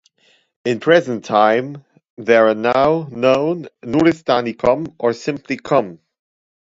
In present time there are now known "Nuristani Kom" or simply "Kom".